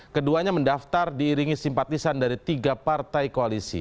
keduanya mendaftar diiringi simpatisan dari tiga partai koalisi